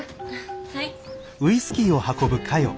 はい。